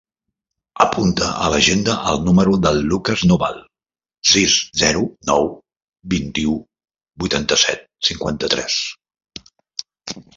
Apunta a l'agenda el número del Lukas Noval: sis, zero, nou, vint-i-u, vuitanta-set, cinquanta-tres.